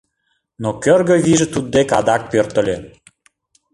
Но кӧргӧ вийже туддек адак пӧртыльӧ.